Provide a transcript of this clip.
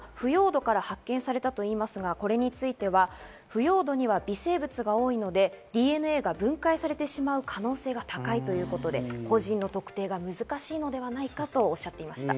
またこの骨や衣類なんですが、腐葉土から発見されたといいますが、これについては腐葉土には微生物が多いのでＤＮＡが分解されてしまう可能性が高いということで、個人の特定が難しいのではないかとおっしゃっていました。